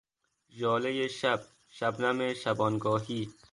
ژالهی شب، شبنم شبانگاهی